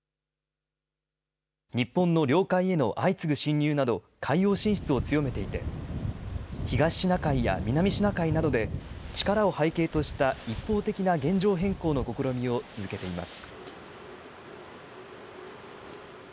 日本の領海への相次ぐ侵入など、海洋進出を強めていて、東シナ海や南シナ海などで力を背景とした一方的な現状変更の試みを続けています。